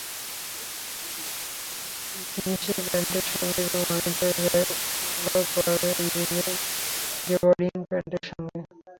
জিনসের প্যান্টের সঙ্গে যেমন মানিয়ে যায়, আবার পরতে পারেন গ্যাবার্ডিন প্যান্টের সঙ্গেও।